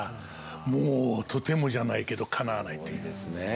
もうとてもじゃないけどかなわないという。